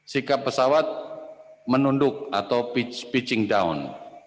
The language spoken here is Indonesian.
sikap pesawat menunduk atau pitch pitching down